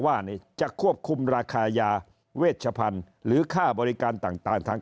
ว่าจะควบคุมราคายาเวชพันธุ์หรือค่าบริการต่างทาง